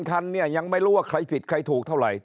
คันเนี่ยยังไม่รู้ว่าใครผิดใครถูกเท่าไหร่